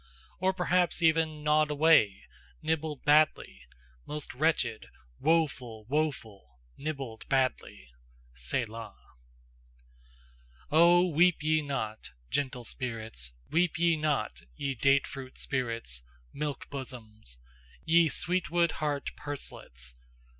Or perhaps even Gnawed away, nibbled badly Most wretched, woeful! woeful! nibbled badly! Selah. Oh, weep ye not, Gentle spirits! Weep ye not, ye Date fruit spirits! Milk bosoms! Ye sweetwood heart Purselets!